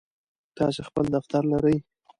تاسی خپل دفتر لرئ؟